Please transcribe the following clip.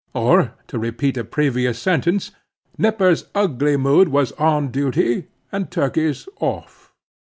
Or, to repeat a previous sentence, Nippers' ugly mood was on duty and Turkey's off.)